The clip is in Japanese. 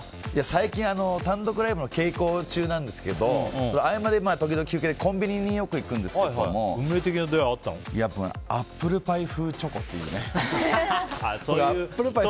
最近、単独ライブの稽古中なんですけど合間で時々、コンビニによく行くんですけどもアップルパイ風チョコっていうね。